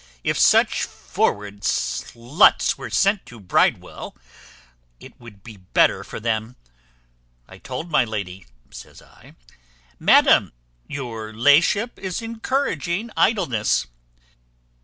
If such forward sluts were sent to Bridewell, it would be better for them. I told my lady, says I, madam, your la'ship is encouraging idleness."